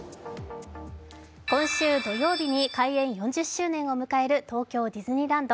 今週土曜日に開園４０周年を迎える東京ディズニーランド。